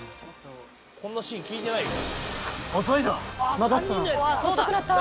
こんなシーン聞いてないよ。